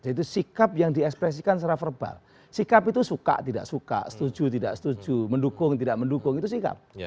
jadi sikap yang di ekspresikan secara verbal sikap itu suka tidak suka setuju tidak setuju mendukung tidak mendukung itu sikap